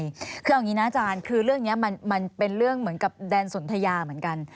คือเอาอย่างนี้นะอาจารย์คือเรื่องนี้มันเป็นเรื่องเหมือนกับแดนสนทยาเหมือนกัน